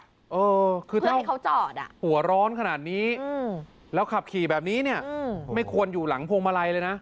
เออคือตอนที่เขาจอดอ่ะหัวร้อนขนาดนี้แล้วขับขี่แบบนี้เนี่ยไม่ควรอยู่หลังพวงมาลัยเลยนะ